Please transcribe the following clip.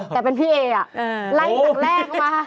แต่เป็นพี่เออ่ะไลค์สักแรกออกมา